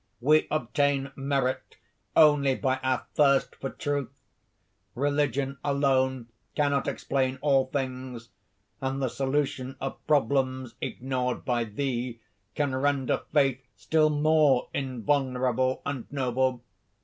We obtain merit only by our thirst for truth. Religion alone cannot explain all things; and the solution of problems ignored by thee can render faith still more invulnerable and noble.